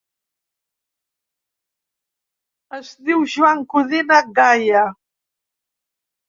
Es diu Joan Codina Gaia.